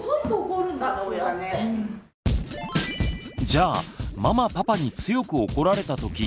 じゃあママ・パパに強く怒られたとき